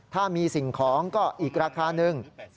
ถ้ามีสิ่งของก็อีกราคาหนึ่ง